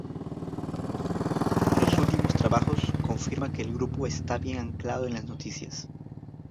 Los últimos trabajos confirma que el grupo está bien anclado en las noticias.